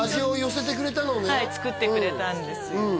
はい作ってくれたんですよ